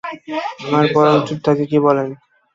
আমরা বরং চুপ থাকি, কি বলেন?